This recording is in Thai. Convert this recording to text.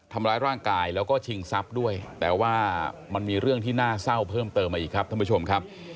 แต่ว่ามันมีเรื่องที่น่าเศร้าเพิ่มเติมมาอีกครับท่านผู้ชมครับ